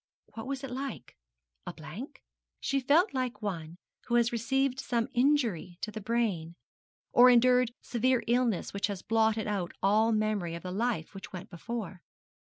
What was it like? A blank? She felt like one who has received some injury to the brain, or endured severe illness which has blotted out all memory of the life which went before.